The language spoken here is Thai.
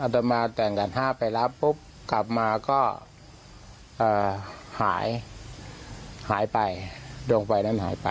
อาตมาแต่งกัน๕ไปรับปุ๊บกลับมาก็หายหายไปดวงไฟนั้นหายไป